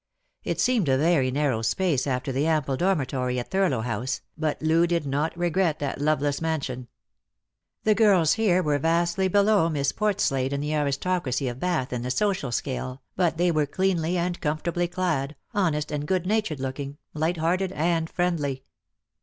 It seemed a very narrow space after the ample dormitory at Thurlow House, but Loo did not regret that love less mansion. The girls here were vastly below Miss Portslade and the aristocracy of Bath in the social scale, but they were cleanly and comfortably clad, honest and good natured looking, light hearted and friendly.